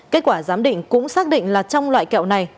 kết quả giám định cũng xác định là trong loại kẹo này